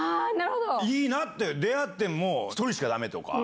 いいなって、出会っても、１人しかだめとか。